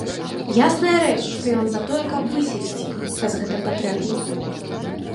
Ясная рэч, што ён за тое, каб выселіць іх, раз гэта патрэбна.